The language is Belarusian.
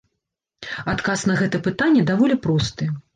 Адказ на гэта пытанне даволі просты.